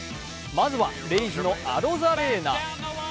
まずはレイズのアロザレーナ。